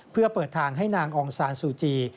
เพื่อเปิดทางให้นางองซานซูจี